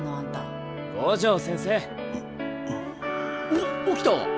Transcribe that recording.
おっ起きた。